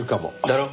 だろ？